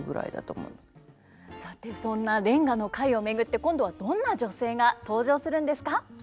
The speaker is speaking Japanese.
さてそんな連歌の会を巡って今度はどんな女性が登場するんですか？